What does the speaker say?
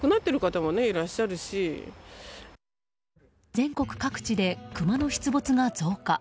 全国各地でクマの出没が増加。